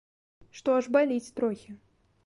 Што аж баліць трохі.